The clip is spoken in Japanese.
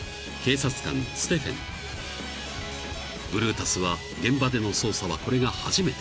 ［ブルータスは現場での捜査はこれが初めて］